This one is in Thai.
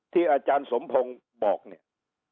อาจารย์สมพงศ์บอกเนี่ย